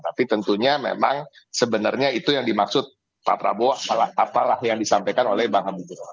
tapi tentunya memang sebenarnya itu yang dimaksud pak prabowo apalah yang disampaikan oleh bang habibur